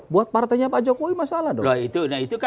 buat partainya pak jokowi masalah dong